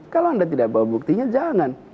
kalau anda tidak bawa buktinya jangan